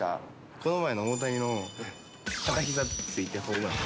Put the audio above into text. この前の大谷の片ひざついたホームラン。